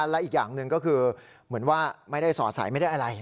และอีกอย่างหนึ่งก็คือเหมือนว่าไม่ได้สอดใสไม่ได้อะไร